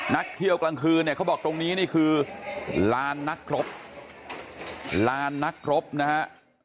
นักเที่ยวกลางคืนเนี่ยเขาบอกตรงนี้นี่คือลานนักครบลานนักครบนะฮะ